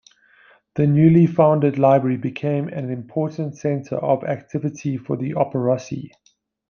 The newly founded library became an important centre of activity for the "Operosi".